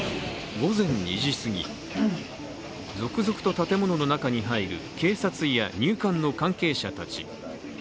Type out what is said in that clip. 午前２時すぎ、続々と建物の中に入る警察や入管の関係者たち。